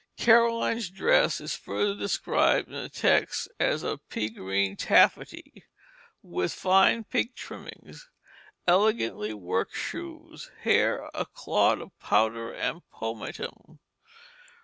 Caroline's dress is further described in the text as of pea green taffety with fine pink trimmings, elegantly worked shoes, hair a clod of powder and pomatum.